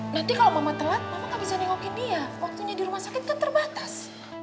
nanti kalau mama telat mama nggak bisa nengokin dia waktunya di rumah sakit kan terbatas